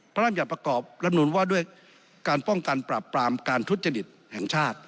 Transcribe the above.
พระราชประกอบรับนูนว่าด้วยการป้องกันปรับปรามการทุจริตแห่งชาติ